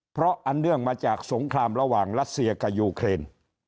เพราะอันเนื่องมาจากสงครามระหว่างรัสเซียกับยูเครน